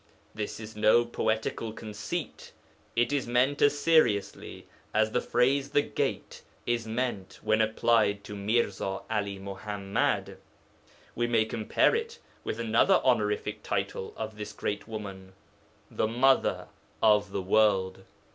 This is no poetical conceit; it is meant as seriously as the phrase, 'the Gate,' is meant when applied to Mirza 'Ali Muḥammad. We may compare it with another honorific title of this great woman 'The Mother of the World.'